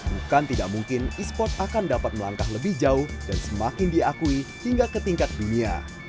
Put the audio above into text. bukan tidak mungkin e sports akan dapat melangkah lebih jauh dan semakin diakui hingga ke tingkat dunia